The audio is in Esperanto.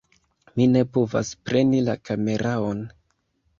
Mi ne povas preni la kameraon